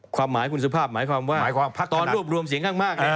ความหมายคุณสุภาพหมายความว่าตอนรวบรวมเสียงข้างมาก